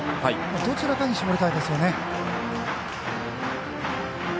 どちらかに絞りたいですね。